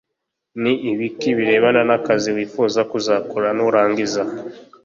ni ibiki birebana n akazi wifuza kuzakora nurangiza?